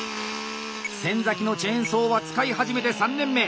先のチェーンソーは使い始めて３年目。